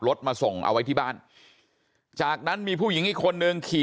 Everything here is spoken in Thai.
รถมาส่งเอาไว้ที่บ้านจากนั้นมีผู้หญิงอีกคนนึงขี่